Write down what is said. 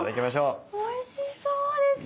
おいしそうですね。